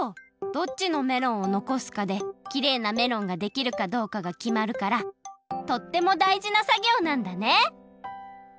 どっちのメロンをのこすかできれいなメロンができるかどうかがきまるからとってもだいじなさぎょうなんだね！